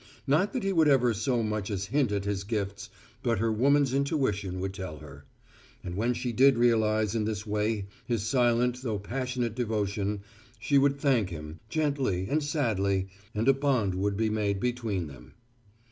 Not that he would ever so much as hint at his gifts, but her woman's intuition would tell her. And when she did realize in this way his silent though passionate devotion, she would thank him, gently and sadly, and a bond would be made between them.